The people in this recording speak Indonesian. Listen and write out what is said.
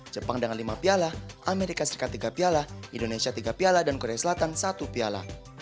jepang dengan lima piala amerika serikat tiga piala indonesia tiga piala dan korea selatan satu piala